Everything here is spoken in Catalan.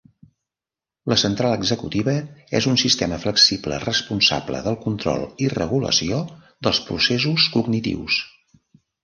La central executiva és un sistema flexible responsable del control i regulació dels processos cognitius.